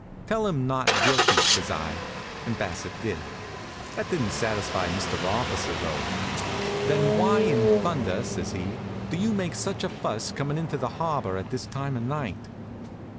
"Tell him not guilty," says I, and Bassett did. That didn't satisfy Mr. Officer though. "Then why in thunder," says he, "do you make such a fuss coming into the harbor at this time of night?"